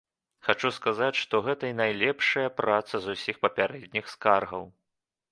Хачу сказаць, што гэта найлепшая праца з усіх папярэдніх скаргаў.